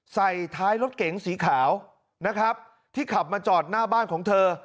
ใส่ท้ายรถเก๋งสีขาวนะครับที่ขับมาจอดหน้าบ้านของเธอ